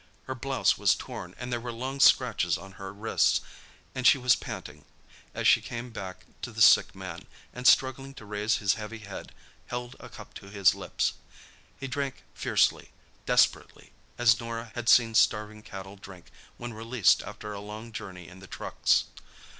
Her blouse was torn, and there were long scratches on her wrists, and she was panting, as she came back to the sick man, and, struggling to raise his heavy head, held a cup to his lips. He drank fiercely, desperately, as Norah had seen starving cattle drink when released after a long journey in the trucks.